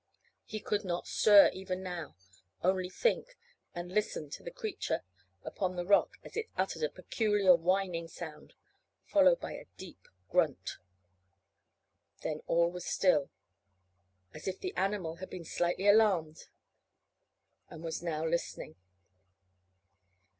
He could not stir even now, only think, and listen to the creature upon the rock as it uttered a peculiar whining sound, followed by a deep grunt. Then all was still, as if the animal had been slightly alarmed and was now listening.